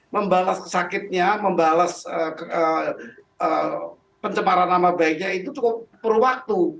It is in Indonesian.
membalas sakitnya membalas pencemaran nama baiknya itu cukup perlu waktu